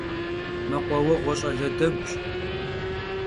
Mekhuaueğue ş'ale deguş.